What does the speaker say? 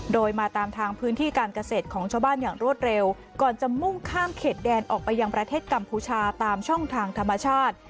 โดยมาตามทางพื้นที่การเกษตรของชาวบ้านอย่างรวดเร็วก่อนจะมุ่งข้ามเขตแดนออกไปยังประเทศกัมพูชาตามช่องทางธรรมชาติ